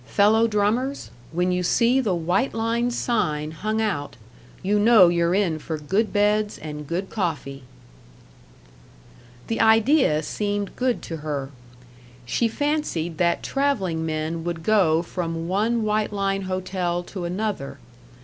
Fellow drummers, when you see the White Line sign hung out, you know you're in for good beds and good coffee." The idea seemed good to her. She fancied that traveling men would go from one White Line Hotel to another.